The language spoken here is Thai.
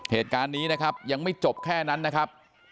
เหตุการณ์นี้นะครับยังไม่จบแค่นั้นนะครับ